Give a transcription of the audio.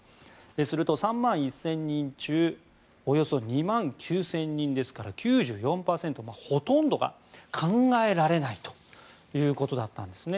すると、３万１０００人中およそ２万９０００人ですから９４％、ほとんどが考えられないということだったんですね。